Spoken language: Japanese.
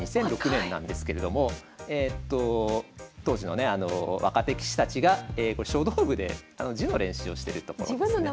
２００６年なんですけれども当時のね若手棋士たちがこれ書道部で字の練習をしてるところですね。